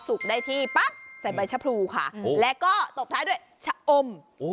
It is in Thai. พอสุกได้ที่ปั๊บใส่ใบชะพรูค่ะแล้วก็โดบท้ายด้วยโอ้ม